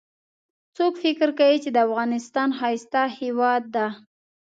څوک فکر کوي چې افغانستان ښایسته هیواد ده